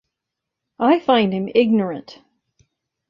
I find him ignorant.